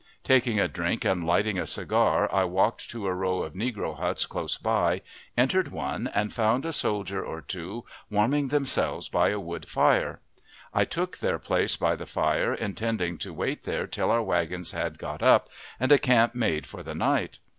Taking a drink and lighting a cigar, I walked to a row of negro huts close by, entered one and found a soldier or two warming themselves by a wood fire. I took their place by the fire, intending to wait there till our wagons had got up, and a camp made for the night.